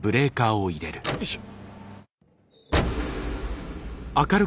よいしょ。